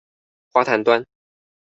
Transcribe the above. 花壇端